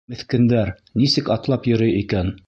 Меҫкендәр, нисек атлап йөрөй икән?